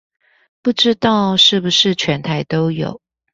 不知道是不是全台都有